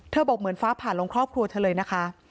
บอกเหมือนฟ้าผ่านลงครอบครัวเธอเลยนะคะ